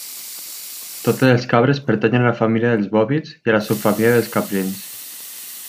Totes les cabres pertanyen a la família dels bòvids i a la subfamília dels caprins.